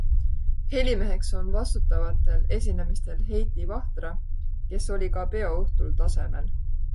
Helimeheks on vastutavatel esinemistel Heiti Vahtra, kes oli ka peoõhtul tasemel.